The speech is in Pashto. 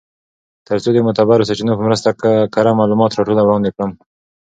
تر څو د معتبرو سرچینو په مرسته کره معلومات راټول او وړاندی کړم .